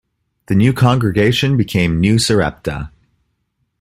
The new congregation became New Sarepta.